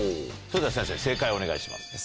それでは先生正解をお願いします。